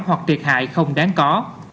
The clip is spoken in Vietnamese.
hoặc thiệt hại không đáng có